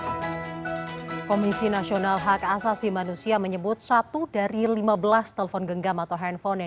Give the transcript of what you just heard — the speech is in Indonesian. hai komisi nasional hak asasi manusia menyebut satu dari lima belas telepon genggam atau handphone yang